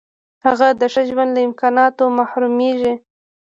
هغه د ښه ژوند له امکاناتو محرومیږي.